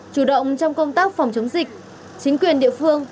chủ động trong công tác phòng chống dịch chính quyền địa phương